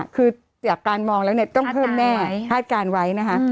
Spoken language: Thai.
คือตามการมองแล้วต้องเพิ่มแน่พลาดการไว้นะคะ